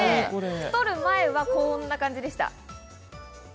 太る前はこんな感じでした。